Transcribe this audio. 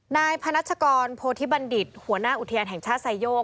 นายพนัชกรโพธิบัณฑิตหัวหน้าอุทยานแห่งชาติไซโยก